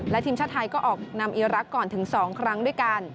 และทีมชาติไทยก็ออกนำอีรักษ์ก่อนถึง๒ครั้งด้วยกัน